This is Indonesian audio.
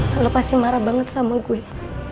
kalau pasti marah banget sama gue